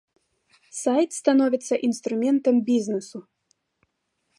Сайт становіцца інструментам бізнесу.